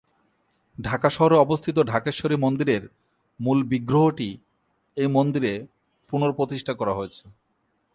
ঢাকা শহরে অবস্থিত ঢাকেশ্বরী মন্দিরের মূল বিগ্রহটি এই মন্দিরে পুন:প্রতিষ্ঠা করা হয়েছে।